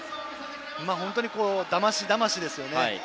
本当にだましだましですよね。